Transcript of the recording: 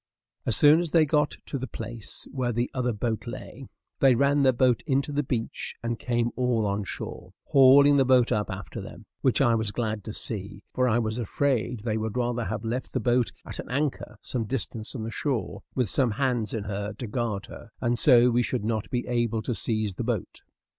As soon as they got to the place where their other boat lay, they ran their boat into the beach and came all on shore, hauling the boat up after them, which I was glad to see, for I was afraid they would rather have left the boat at an anchor some distance from the shore, with some hands in her to guard her, and so we should not be able to seize the boat.